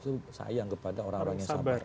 itu sayang kepada orang orang yang sampai